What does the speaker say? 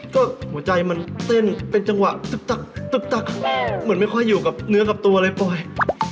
ก็หัวใจมันเต้นเป็นจังหวะตึ๊กตั๊กเหมือนไม่ค่อยอยู่กับเนื้อกับตัวอะไรปล่อย